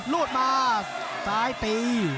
ลูดมาสายตี